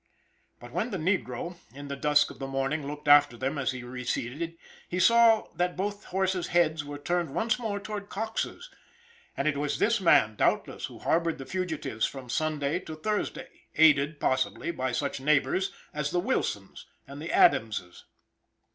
But when the negro, in the dusk of the morning, looked after them as he receded, he saw that both horses' heads were turned once more toward Coxe's, and it was this man, doubtless, who harbored the fugitives from Sunday to Thursday, aided, possibly, by such neighbors as the Wilsons and Adamses.